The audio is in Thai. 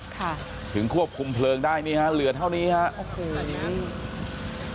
ค่ะถึงควบคุมเพลิงได้นี่ฮะเหลือเท่านี้ฮะโอ้โห